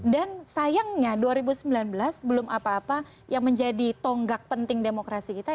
dan sayangnya dua ribu sembilan belas belum apa apa yang menjadi tonggak penting demokrasi kita